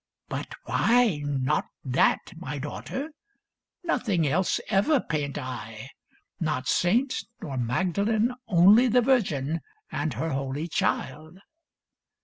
" But why ' not that,' my daughter? Nothing else Ever paint I ! Not saint, nor Magdalen, Only the Virgin and her Holy Child."